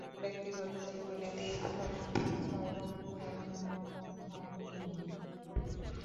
ব্যক্তিগত জীবনে তিনি সর্বমোট ছয়বার বিবাহবন্ধনে আবদ্ধ হন তিনি।